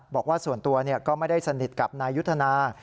บอกว่าส่วนตัวก็ไม่ได้สนิทกับนายยุทธนา